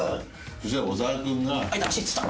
そしたら小沢君が。痛っ！